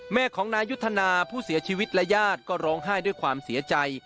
แม่ของนายยุทธนาผู้เสียชีวิตและญาติก็ร้องไห้ด้วยความเสียใจ